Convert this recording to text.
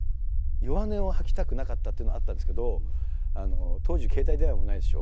弱音を吐きたくなかったっていうのはあったんですけど当時携帯電話もないでしょ。